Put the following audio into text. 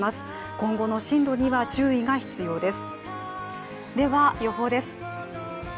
今後の進路には注意が必要です。